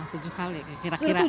tujuh kali kira kira